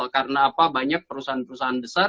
karena apa banyak perusahaan perusahaan besar